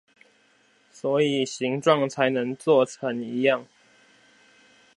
所以形狀才能做成一樣